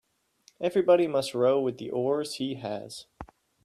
Everybody must row with the oars he has.